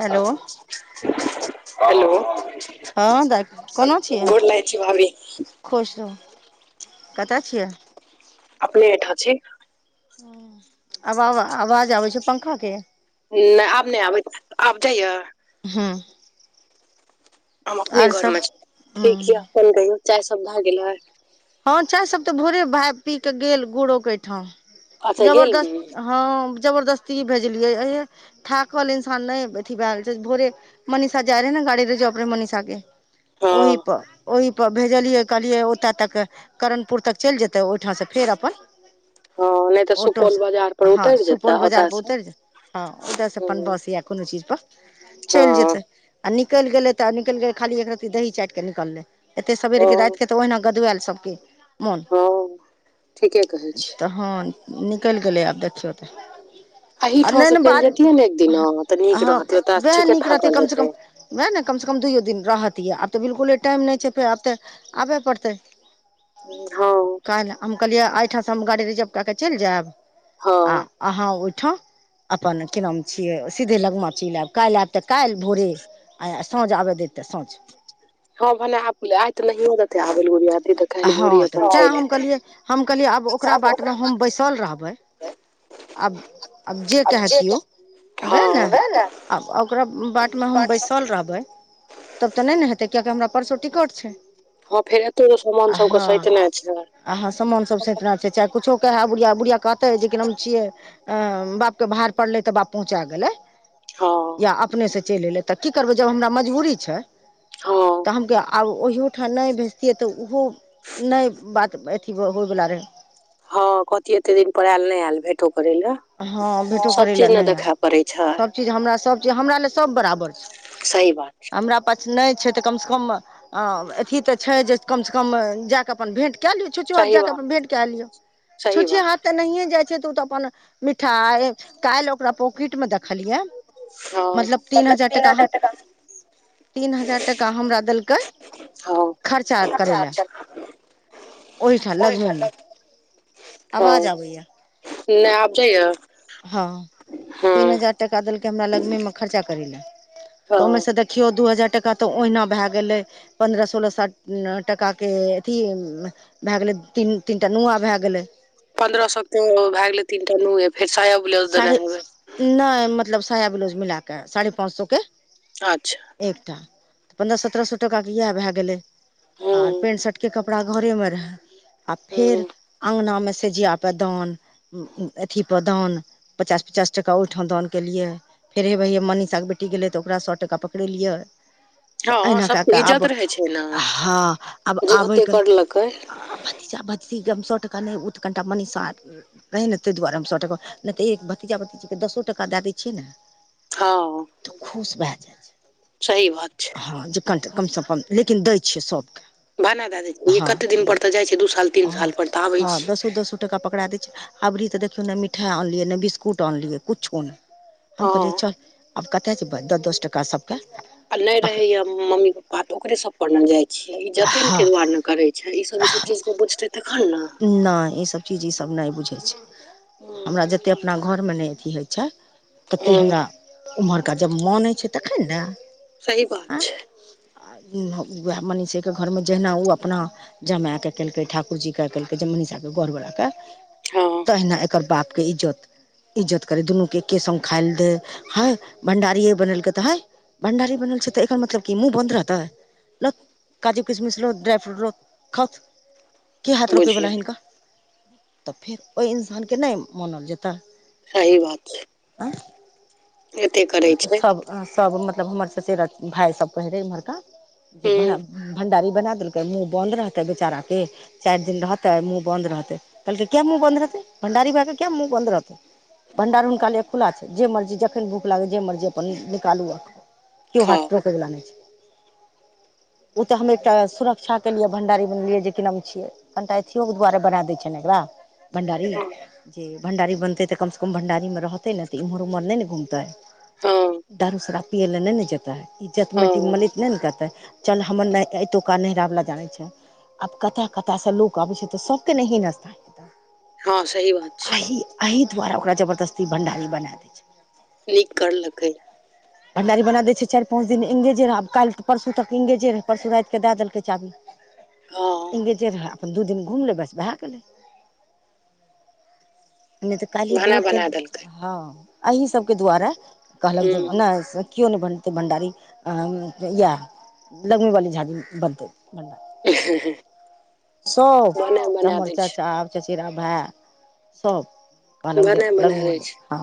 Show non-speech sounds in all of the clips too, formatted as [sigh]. Hello hello. हँ दाइ कोना छियै गोर लागैय छी भाभी। खुश रहू कतऽ छियै। अपने एहिठां छी। अबाबा आवाज आबै छौ पंखा के। नय आब नय आबै, आब जाइया। हूॅं। हम अपने घरमे छी ठीक ये अपन कहियो चाय सब भए गेलए। हाॅं चाय सब त भोरे भाय पी के गेल गुरोक अयठाम अच्छा गेल जबरदस्त हाॅं जबरदस्ती भेजलियै एहे थाकल इन्सान नय अथी भैऽ गेल छैय, भोरे मनीषा जाइ रहै ने गाड़ीे रिजर्व रहै मनीषा के। हँ ओहि पर ओहि पर भेजलियै कहलियै ओतय तके करणपुर तक चइल जेतै ओहिठामसँ फेर अपन हँ नहि तऽ ऑटो सुपौल से बाजार पर हाॅं उतरि जेतै सुपौल बजार ओतय पर से उतरि जे हाॅं ओते से अपन हँ बस या कोनो चीज पर चइल जेतै। हँ आ निकैल गेलै त निकैल गेलै खाली एक रत्ती दही चाइट क निकललै। एते सबेरेके राइतके त ओहिना गदवैल सबके मन हँ ठीके कहै छी त हाॅं निकैल गेलै आब देखियौ त। आ एहिठाम से मेन चलि बाद जैतियै ने एक दिना हँ तऽ नीक हाॅं रहतै ओतय वएह ठीके नीक रहतै थाकल कम से हेतै कम वएह ने कमसँ कम दुइयो दिन रहतियै आब त बिल्कुले टाइम नहि छैय फेर आब त आबैय पड़तै। हाॅं। काल्हि हम कहलियै एहिठाम स हम गाड़ी रिजर्व कए क चइल जायब हँ आ अहाँ ओयठाम अपन की नाम छियै, सीधे लगमा चेइल एब काल्हि आब। त काल्हि भोरे आ साँझ आबय देत त साँझ। हाॅं भने आबै गेलैऽ आयत ने हिहाँतथ आबेलगुड़िया। हाॅं तऽ तें हम कहलियै हम कहलिये आब ओकरा बाट मे हम बैसल रहबै। ते आब, आब जे कहै किओ हँ उएह ने। वैह आब ओकरा बाटमे हम बात बैसल रहबै तब तऽ नहि ने हेतै किएकि हमरा परसो टिकट छै। हाॅं फेर एतो समान सबके सैतने छै। हाँ समान सभ सतना छै, चाहे किछो कहैय बुढ़िया-बुढ़िआ कहतै जे कि नहि हम छियै। अ बाप के बाहर पड़लै तऽ बाप पहुँचा गेलै हँ या अपने से चलि एले। तऽ की करबै जब हमरा मजबूरी छै, हँ तऽ हम आब ओहिठाम नहि भेजतिये। तऽ ओहो नहि बात अथी होइ वला रहै। हाॅं कहथिये एते दिन पर आयल नहि आयल भेटो करै ले। हँ हाॅं सब चीज ने देखा पड़ैय छै। चीज हमरा सबचीज हमरा लए सब बराबर छै। सही बात छै। हमरा पास नहि छै, तऽ कमसे कम आ अथी तऽ छै, जे कम से कम जाके अपन भेंट कए लिओ। छुच्छो हाथ सही जाय कऽ बात अपन भेंट कए लियौ सही छुच्छे बात हाथ तऽ नहिए जाइ छै त ओ तऽ अपन मिठाइ काल्हि ओकरा पॉकिट में देखलियै। हँ मतलब तीन हजार टाका हम तीन हजार टाका हमरा देलकै हँ खर्चा करै अच्छा लए। अच्छा ओहिठ ओहि छल लगमीमे आवाज हँ आबैए नहि आब जाइयए हँ तीन हजार टाका देलकै हमरा लगमेमे खर्चा करै लए हँ तऽ ओहिमे से देखियौ दू हजार टाका तऽ ओहिना भए गेलै। पन्द्रह सोलह साठ टाका के अथी [unintelligible] भए गेलै तीन तीन टा नुआँ भए गेलै। पन्द्रह सए त भए गेलै तीनटा नुह फेर स साढ़े नहि मतलब साया ब्लाउज मिल कऽ साढ़े पाँच सए के अच्छा एकटा त पन्द्रह सत्रह सए टका के इएह भए गेले हूँ आर पेंट शर्ट के कपड़ कपड़ा घरे में रह आ फेर हूँ अंगगना मे से ज पर दान अथीपर दान पचास पचास टका ओहिठाम दान केलियै फेर हे भैयए मनीषाके बेटी गेलै तऽ ओकरा सए टाका पकड़ेलियै तऽ हँ एहिना कए सबके कऽ आब इज्जत रहै छै ने हँ आब जे ओते आबैके करलकै [unintelligible] भतीजा भजज सए टका नहि ओ तऽ कनिटा मनीषा रहे ने ताहि दुआरे सए टका नहि तऽ एक भतीजा भतीजाके दसो टाका दए दै छियै ने हँ तऽ खुश भए जाइ सही बात छै छै हँ जे कनि कमसँ कम लेकिन दै छियै सभके त भाना दए दै छै कते दिन पर तऽ जाइ छियै दू साल तीन हँ साल पर तऽ आबै हँ छियै। दसो दसो टका पकड़ा दै छै अभरी तऽ देखियौ नहि मिाइ आनलियै नहि बिस्कुट आनलियै किुछु नहि। हम हँ कहलियए चल आब कतय छै दस दस टका सब आ नहि रहे या मम्मी प्पा तऽ ओकरे सब परने जाइ छियै ई जतन हँ के दुआरे करै छै ईसब ईसब चीजके बुझतै तखन ने। नहि ई सब चीज ई सब नहि बुझे छै हमरा जते अपना घर मने अथी होइ छै कते हँ हमरा उम्हरका जब मन होइ छै तखन ने। सही बात छै। आर वएह मनीषीके घरमे जहिना ओ अपना जमाके केलकै ठाकुरजीके ेलकै जे मनीषा के घर बड़ के हँ तहिना एकर बापके इज्जत इज्जत करे दुनूके एक्े सङ्ग खाय लए दे ह भं्डारिए बनेलकै तऽ हे। भंडारी बनल छै तऽ एकर मतलब कि मुँह बन्द रहतै। लौथ काजू किशमिश लौथ ्राई फ्रूट लौ खथ के हाथ रोख बुझियौ तऽ फेर ओहि इन्सानके नहि मानल जेताै। सही बात छै। आँ एते करै छै सभ सभ मतलब हमर सचेरा भायसभ कहैत रहै इम्हरका जे हूँ भं्डारी बना देलकै मुँह बन्द रहतै बेचारा के चारि दिन रहतै मुँह बन्द रहतै कहलकै किया मुह बन्द रहतै भं्डारी भए कऽ किया मुँह बन्द रहतै। भंडार हुनका ले खुला छै जे मर्जी जखन भख जे मर्जी अपन निकालू केओ खाउ हाथ रोकैवला नहि छै। [inaudible] ओ तऽ हम एकटा सुरक्षा के लिए भं्डारी बनलियै जेकी नाम छियै। कनिटा अथिियोकके दुआरे बना दै छनि एकरा भण्डारी हँ जे भण्डारी बनतै तऽ कमसँ कम भण्डारीमे रहतै ने तऽ एम्हर ओम्हर नहि ने घुमतै। दारू सराब पियए लए नहि ने जेते इज्जत हँ मटी मल नहि ने कहतै। चल हमर नहि एतुका नहिरा वला जानै छै। आब कतय कतय से लोक अबै छै तऽ सबके ने हीनस्ताय हँ सही बात छै। अही दुआर ओकरा जबरदस्ती भणडारी बना दै छै। नीक करलकै। भण्डारी बना दै छै चारि पाँच दिन इंगेजे रहै आ काल्हि परसू तक इंगेजे रहै परसू राति के दऽ देलकै चाबी। हँ इंगेजे रहै अपन दू दिन घुमले बस भै गेलै। नहि तऽ काली भाना भोर चल बना देलकै हँ अही सबके द्वारे कहलक जे हूँ नहि से केओ नहि बन त भण्डारी अ इहे लगमी वाली झाजी बनतै भंडारी। हं हं सब चमर छै चाचा चचेरा भाय सब। कहलक जे भने लग मे बनायल रहै बनु छै हँ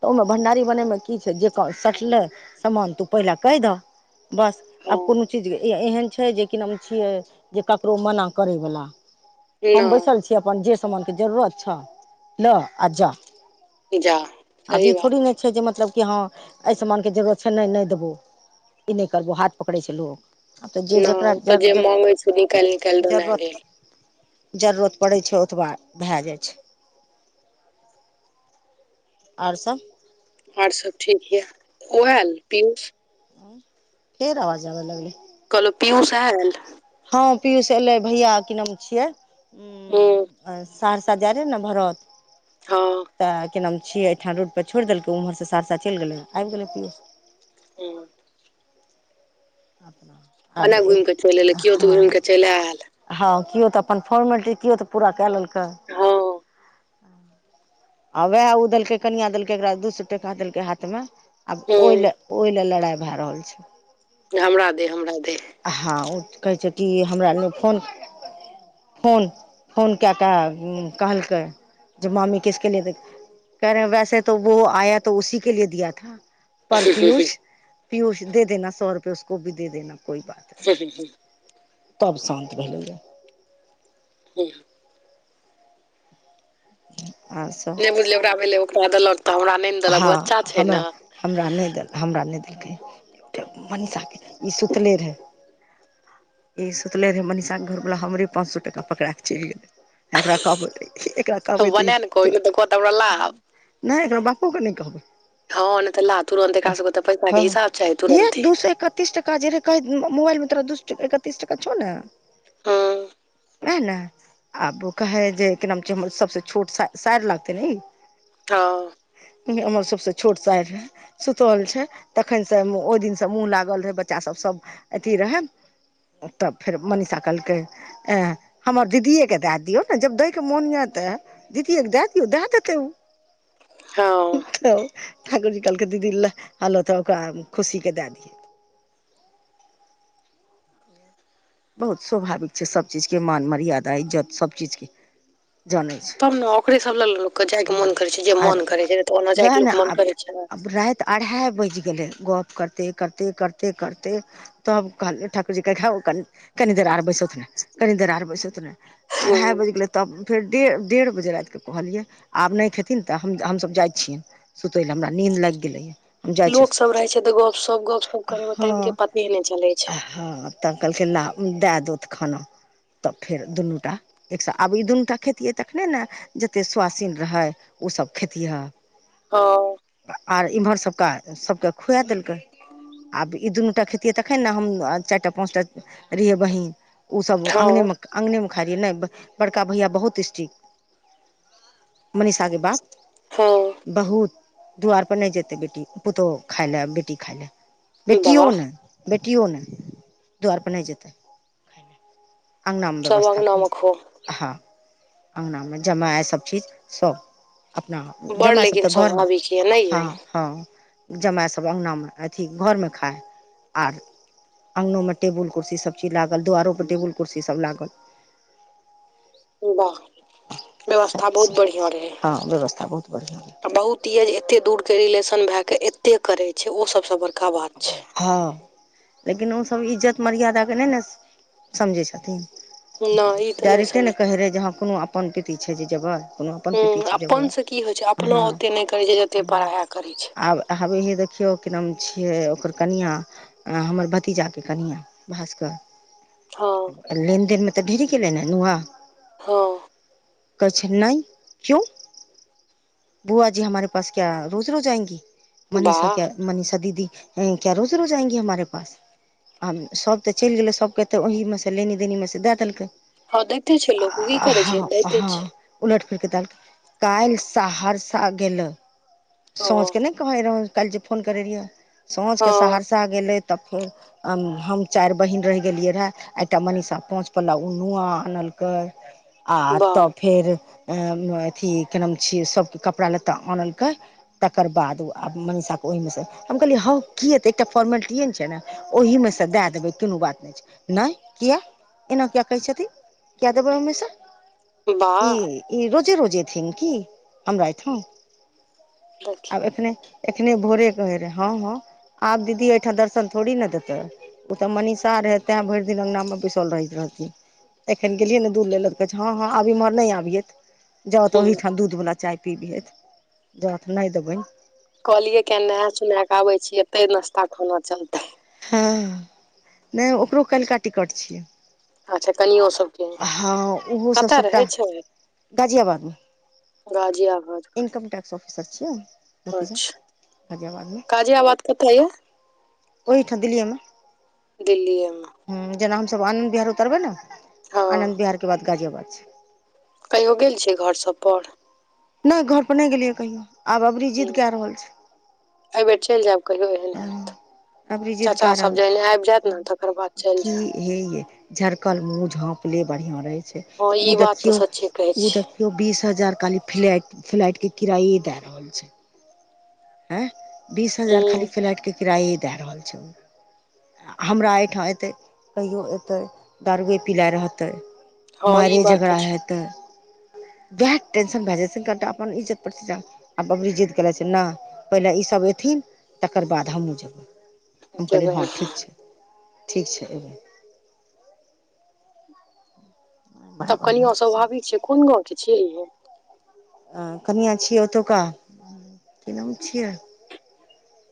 तऽ ओहिमे भण्डारी बनेयमे की छै जे कह सठलै सामान तू पहिले कहि दहक बस आब हँ कोनो चीज एहन छै जे कि नाम छियै जे ककरो मना करयवला। हम बैसल नहि छीय अपन जे सामानके जरूरत छह लऽ आ जा। जा सही अभी ई बात थोड़ी ने छै जे मतलब कि हँ एहि समानके जरूरत छै नहि नहि देबहो ई नहि करबौ हाथ पकड़ै छै लोग। हँ तऽ जे जकरा जर ज बैस क निकायल निकायल जरूरत जरूरत पड़ै छै ओतबा भए जाइ छै। और सब? और सब ठीक य ओ आयल पीयुष? फेर अवाज आबै लगलै। कहलौ पीयुष आएल। हां पीयूष एलै भैया की नाम छियै हूँ उम्म सहरसा जाय रहै ने भरत हँ तऽ की नाम छियै एठा रोड पे छोड़ देलकै, उ उमहर से सहरसा चैल गेलै आएब गेलै पियूष। हुं। अपना आब भनाय घुम के चैल एलै कियो ते घुम कऽ चैल आएल। हां कियो तऽ अपन फोर्मलिटी कियो तऽ पूरा काए लेलकै। हां। आ वाएह उ देलकै कनिया देलकै एकरा दू सौ टका देलकै हाथ मे आब हूँ ओय ले, ओय ले लड़ाय भाए रहल छै। हमरा दे, हमरा दे। हां उ ते कहै छै कि हमरा नै फोन फोन, फोन काए कऽ उम्म कहलकै जे मामी किसके लियै दे कहै रहै वाएह से ते वो आया तो उसी के लिए दिया था। पर नहि पीयूष, पीयूष दे देना सौ रुपए उसको भी दे देना, कोई बात ह नहि ह तब शान्त भेलै यऽ। हुंह। आ स [unintelligible] भेलै ओकरा देलक तऽ हमरा नहि ने देलक हां बच्चा छै हम ने हमरा नै देल, हमरा नै देलकै, ते मनीषा के ई सुतले रहै। ई सुतले रहै मनीषा के घर वला हमरे पाँच सौ टका पकड़ा कऽ चैल गेलै। एकरा कहबै, एकरा कहबै तऽ इ बनाए ने त कहू नहि तऽ कहत हमरा ला नै एकरा बा पो के नै कहबै हँ नहि तऽ ला तुरन्त अ एकरा सबके तऽ पैसाके हां हिसाब चाही हे तुरन्ते दू सौ एक तीस टका जे रहै कहै उम्म मुबाएल मे तोरा दु सौ ट एकतीस टका छौ नै। हां। वाएह ने आब उ कहै जे कि नाम छै हमर सबसे छोट साए साएड़ लागते नै इ हां। ऊंह हमर सबसे छोट साएड़ रहै। सुतल छै तखन से ओय दिन से मुंह लागल रहै बच्चा सब, सब एथी रहै। तब फेर मनीषा कहलकै आऐ हमर दीदये के दऽ दियौ नै जब दै के मोन यऽ ते दीदये के दा दियौ दा देतै उ। हां। ठाकुर जी कहलकै दीदी ले हलौथ ओकरा खुशी के दा दियै। बहुत स्वाभाविक छै, सब चीज के मान, मर्यादा, इज्जत सब चीज के जानै छै। तब ना ओकरे सब ल लोकके जाय के मोन करै छै जे आर मान करै छै न तऽ ओना जाय के लोक के मन करै छै। तऽ अढ़ाय बैज गेलै गप करते-करते-करते-करते। तब कहल ठाकुर जी कहलकै हो कन, कनि देर आर बैसौथ ने कनि देर आर बैसौथ ने अढ़ाय हुँ बैज गेलै तब फेर डे डेढ़ बजे राएत के कहलियै आब नै खेथिन तऽ हम, हम सब जाय छियेन सुतै लऽ हमरा नीन्द लाएग गेलैया। लोक सब रहै छै तऽ गप-सप, गप-सप करै मे टाइम के पते नै चलै छै। ह तब कहलकै ला उ दए दूध खाना। तब फेर दुनू टा एकस आब ई दुनूटा खेतियै तखने न जते स्वास दिन रहैय ओसब खेतिहऽ। ह। आर इम्हर सबके सबके खुआ देलकै आब ई दुनूटा खेते खैतिए तखन न हम चारिटा पाँचटा रहिए बहिन उसब हँ अंगनेमे अंगनेमे खा लिया नै बड़का भैया बहुत स्टिक। मनीषा के बाप हँ बहुत द्वारपर नै जेतैय बेटी पुतहु खाय लऽ बेटी खाय लऽ बेटियो वाह नहि। बेटियो नै द्वार पर नै जेतै खाएला। अंगनामे सब व्यवस्था। अङ्गनामे खूब ह अङ्गनामे जमाय सब चीज सब अपना आप बड़ जमय सब लेकिन तऽ घरमे स्वाभाविक यऽ नहि ह यै ह। जमाय सब अंगनामे अथी घर मे खाय आर अंगनोमे टेबुल कुर्सी सब ची लागल द्वारो पर टेबुल कुरसी सब लागल। वाह व्यवस्था बहुत बढ़िया रहैय। ह व्यवस्था बहुत बढ़िया रहै। बहुत दियर एते दूरके रिलेशन भेकऽ एते करैय छैय ओ सबस बड़का बात छैय। ह लेकिन ओसब इज्जत मर्यादा के नै न समझैय छथिन। नहि ई तऽ नहि डायरेक्टे नऽ समझ कहै रहैय जे ह कोनो अपन पीति छैय जे जेबय कोनो। अपन पिति हुँ छैय अपन जेबह से की होइ छै ह अपनो ओते नहि करै छै जते पराया करै छै आब आबैये हे देखियो केना मुँह छी। गेल रहै ओकर कनियाँ हमर भतीजाके कनियाँ भास्कर। हा। लेनदेन मे तऽ ढेरी के एलै न नुआ। हँ। कहैय छैय नै कियो। बुआ जी हमारे पास क्या रोज रोज आएगी मनीषा वाह क्या मनीषा दीदी। यही क्या रोजे रोज आएगी हमारे पास। आ सब तऽ चलि गेलैय सबके तऽ ओहीमे सँ लेनी देनी में सँ दए देलकै। हँ दैते छै लोक ओ की करै छै आऽ ह दैते छै ह। उलट फिरके त काल्हि सहरसा गेल सोझ ओ के नै कहै रहौ काल्हि जे फोन करै रीय हँ साँझकेऽ सहरसा गेलै तऽ फो हम चारि बहिन रहि गेलियै रहे एकटा मनीषा पाँच पल्ला ओ नुआ आनलकै आ वाह तब फेर एम अथी कि नाम छियै सबके कपड़ा लत्ता आनल कै। तकर बाद ओ आब मनीषा के ओहिमे सँ हम कहलियै हौ। कि हेतइ एकटा फोर्मेलिटीए छै ने ओहिमे से दए देबै कोनो बात नहि छै। नहि किया एना किया कहै छथिन किया देबै ओहि में सँ। ई वाह ई रोजे-रोजे एथिन कि हमरा ऐठाम। [unintelligible] एखने एखने भोरे कहे रहे हँ हँ आब दीदी ओहिठाम दर्शन थोड़ी ने देतै। ओ तऽ मनीषा रहै ते भरि दिन अंगना मे बैसल रहैत रहथिन। एखन गेलियै ने दूध लय लेल हँ हँ आब इम्हर नहि आभियथ। जउ तऽ हुँ ओहिठाम दूध वला चाय पीबिहत जाउथ नहि देबेन। कहलियै किए ने नहाए सोना कऽ आबै छियै एते नास्ता खाना चलतै। हँ नहि ओकरो काल्हिका टिकट छै। अच्छा कनियो सबके हँ ओहो सब कतऽ रहै सबटा छै गाजियाबादमे। गाजियाबाद मे। इनकम टैक्स ऑफिसर छियै। भतीजा अच्छा, गाजियाबादमे गाजियाबाद कतऽ ये। ओहिठाम दिल्लीये में। दिल्लीएमे। हूं जेना हमसभ आनंद बिहार उतरबै ने, हँ आनंद बिहार के बाद गाजियाबाद छै। कहियो गेल छियै घर सभपर। नै घर पर नै गेलियै कहियो, आब अबरी जिद्द कए रहल छै। ऐ बेर चलि जायब। कहियो एहन हैत त, अबरी जिद चाचा कए सब रहल छै जखैन आबि जायत ने तकर बाद चलि की जायब। हे यै झरकल मुँह झाँपले बढ़िआँ रहै छै, हँ ओ ई बात तऽ देखियौ सच्चे कहै ओ छी देख यो बीस हजार खाली फ्लैट फ्लाइट के किराये दए रहल रहल छै [unintelligible] ऐं, बीस हजार खाली हुँ फ्लैट के किराये दए रहल छै ओ। हमरा एहिठाम अयतै कहिओ अयतै, दारुए पिलाय रहतै। हँ ई मारे बात झगड़ा तऽ छै हेतै। वैह टेंशन भए जाइ छै कनिटा, अपन इज्जत प्रतिष्ठा आ बबली जिद करै छै ना पहिले ई सब अएथिन तकर बाद हमहुँ जेबै, हम कहलियै जेबै हँ अहाँ ठीक छै। ठीक छै। बड़ा तब बढ़िआँ कनियो छै स्वाभाविक छै, कोन गाँंव के छियै यै आ कनिआ छियै ओतुका, की नाम छियै।